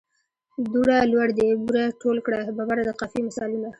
دوړه، لوړ دي، بوره، ټول کړه، ببره د قافیې مثالونه.